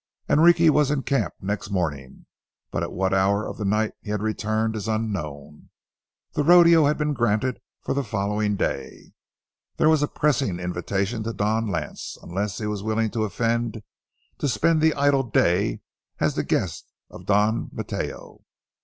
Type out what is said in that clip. Enrique was in camp next morning, but at what hour of the night he had returned is unknown. The rodeo had been granted for the following day; there was a pressing invitation to Don Lance—unless he was willing to offend—to spend the idle day as the guest of Don Mateo.